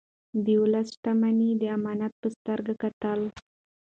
ده د ولس شتمني د امانت په سترګه کتل.